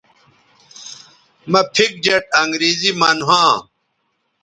مہ پِھک جیٹ انگریزی من ھواں